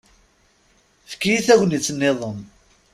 Efk-iyi tagnit-iḍen.